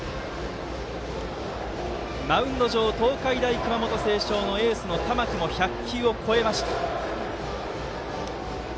マウンド上東海大熊本星翔のエースの玉木も１００球を超えました。